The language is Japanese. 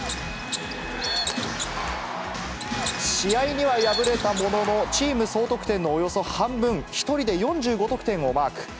試合には敗れたものの、チーム総得点のおよそ半分、１人で４５得点をマーク。